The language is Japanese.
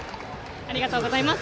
ありがとうございます。